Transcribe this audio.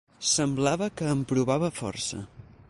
Semblava que em provava força